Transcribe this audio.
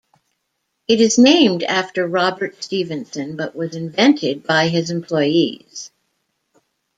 It is named after Robert Stephenson but was invented by his employees.